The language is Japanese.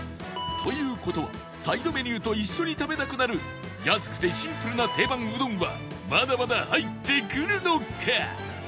という事はサイドメニューと一緒に食べたくなる安くてシンプルな定番うどんはまだまだ入ってくるのか？